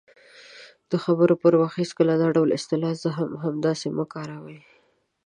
-د خبرو پر وخت هېڅکله دا ډول اصطلاح"زه هم همداسې" مه کاروئ :